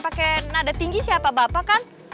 pakai nada tinggi sih apa bapak kan